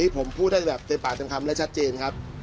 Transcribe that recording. ผมพูดได้แบบเต็มปากเต็มคำและชัดเจนครับ